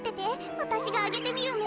わたしがあげてみるね。